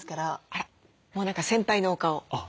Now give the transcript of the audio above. あらもう何か先輩のお顔。